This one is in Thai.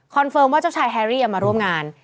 เฟิร์มว่าเจ้าชายแฮรี่มาร่วมงาน